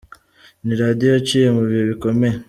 Ni radio yaciye mu bihe bikomeye….